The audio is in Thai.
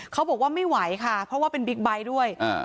เขาบอกว่าไม่ไหวค่ะเพราะว่าเป็นบิ๊กไบท์ด้วย